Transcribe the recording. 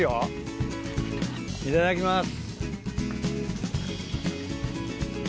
いただきます。